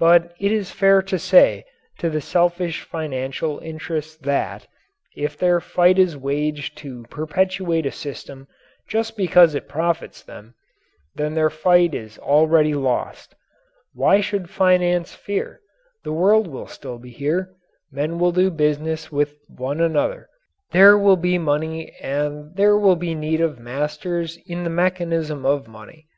But it is fair to say to the selfish financial interests that, if their fight is waged to perpetuate a system just because it profits them, then their fight is already lost. Why should finance fear? The world will still be here. Men will do business with one another. There will be money and there will be need of masters of the mechanism of money.